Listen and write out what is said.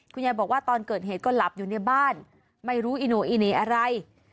คุณยายบอกว่าตอนเกิดเหตุก็หลับอยู่ในบ้านไม่รู้อีโน่อีเหน่อะไร